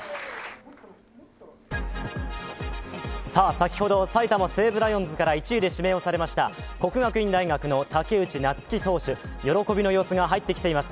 先ほど埼玉西武ライオンズから１位で指名されました国学院大学の武内夏暉投手、喜びの様子が入ってきています。